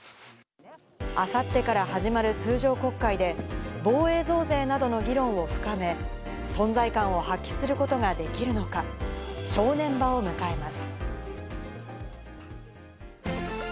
あさってから始まる通常国会で、防衛増税などの議論を深め、存在感を発揮することができるのスポーツをお伝えします。